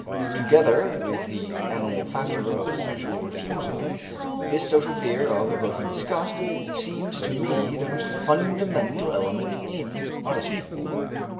Together with the animal factor of sexual refusal, this social fear of evoking disgust seems to me the most fundamental element in modesty.